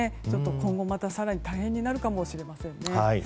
今後、また更に大変になるかもしれませんね。